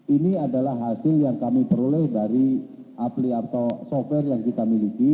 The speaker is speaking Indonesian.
ini adalah hasil yang kami peroleh dari apli atau software yang kita miliki